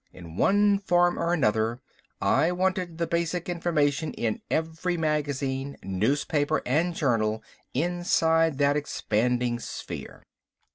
In one form or another I wanted the basic information in every magazine, newspaper and journal inside that expanding sphere.